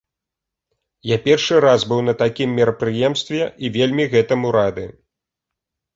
Я першы раз быў на такім мерапрыемстве і вельмі гэтаму рады.